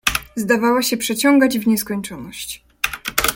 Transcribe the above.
"Zdawała się przeciągać w nieskończoność."